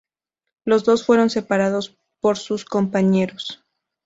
Los dos fueron separados por sus compañeros.